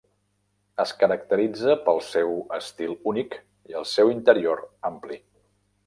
Es caracteritza pel seu estil únic i el seu interior ampli.